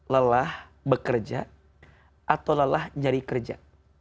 lelah bekerja atau lelah nyari kerja